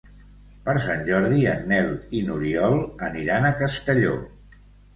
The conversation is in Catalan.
Per Sant Jordi en Nel i n'Oriol aniran a Castelló.